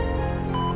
pamel tantoy luar